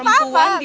ya enggak apa apa